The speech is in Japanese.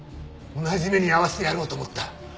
同じ目に遭わせてやろうと思った。